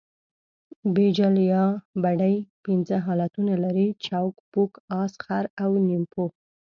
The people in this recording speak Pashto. بیجل یا بډۍ پنځه حالتونه لري؛ چوک، پوک، اس، خر او نیمپو.